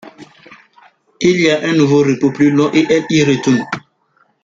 Il a un nouveau repos plus long et elle y retourne.